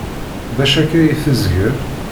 D acu akka ay tezgel?